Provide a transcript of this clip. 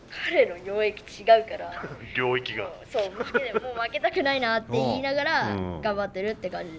もう負けたくないなって言いながら頑張ってるって感じです。